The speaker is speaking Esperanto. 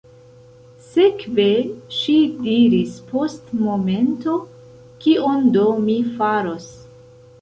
Sekve, ŝi diris post momento, kion do mi faros?